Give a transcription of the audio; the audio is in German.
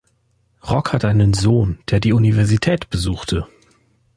Rock hat einen Sohn, der die Universität besuchte.